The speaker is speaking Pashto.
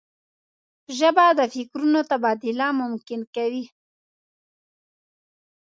ژبه د فکرونو تبادله ممکن کوي